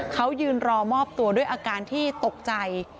เขายืนรอมอบตัวด้วยอาการที่ตกใจ